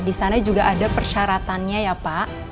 di sana juga ada persyaratannya ya pak